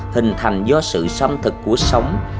hình thành do sự xâm thực của sống